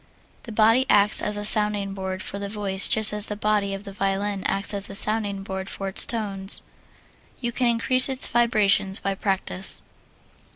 The body acts as a sounding board for the voice just as the body of the violin acts as a sounding board for its tones. You can increase its vibrations by practise.